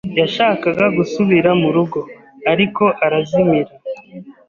Yashakaga gusubira mu rugo, ariko arazimira.